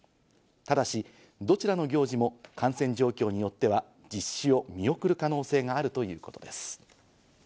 ただし、どちらの行事も感染状況によっては実施を見送る可能性があるということです。